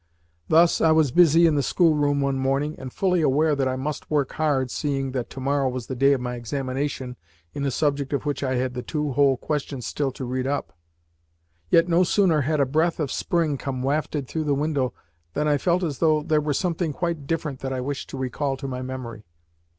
Thus I was busy in the schoolroom one morning, and fully aware that I must work hard, seeing that to morrow was the day of my examination in a subject of which I had the two whole questions still to read up; yet no sooner had a breath of spring come wafted through the window than I felt as though there were something quite different that I wished to recall to my memory.